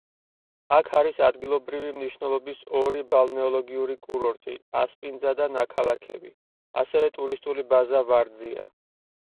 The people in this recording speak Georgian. აქ არის ადგილობრივი მნიშვნელობის ორი ბალნეოლოგიური კურორტი: ასპინძა და ნაქალაქევი, ასევე ტურისტული ბაზა „ვარძია“.